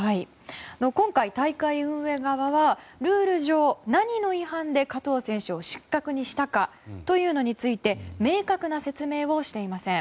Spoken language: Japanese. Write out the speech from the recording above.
今回、大会運営側はルール上、何の違反で加藤選手を失格にしたかについて明確な説明をしていません。